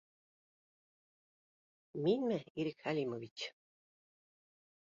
— Минме, Ирек Хәлимович?